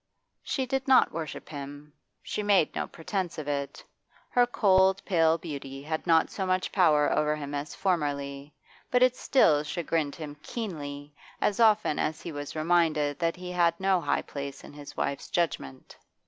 She did not worship him, she made no pretence of it. Her cold, pale beauty had not so much power over him as formerly, but it still chagrined him keenly as often as he was reminded that he had no high place in his wife's judgment.